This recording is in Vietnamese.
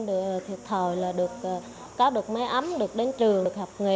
được thiệt thòi là được có được máy ấm được đến trường được học nghề